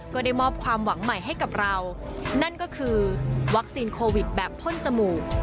ก็ได้มอบความหวังใหม่ให้กับเรานั่นก็คือวัคซีนโควิดแบบพ่นจมูก